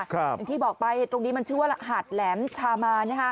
อย่างที่บอกไปตรงนี้มันชื่อว่าหาดแหลมชามา